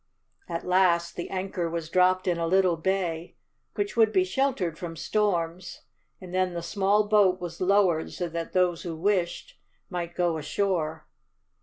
At last the anchor was dropped in a little bay, which would be sheltered from storms, and then the small boat was lowered so that those who wished might go ashore.